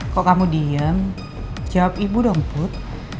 kok kamu diem jawab ibu dong put